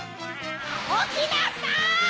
おきなさい！